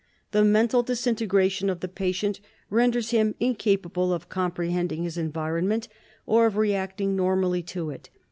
The mental disintegration of the patient renders him incapable of comprehending his environment, and of reacting normally to it.